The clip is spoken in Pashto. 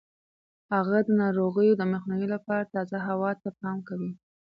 هغه د ناروغیو د مخنیوي لپاره تازه هوا ته پام کوي.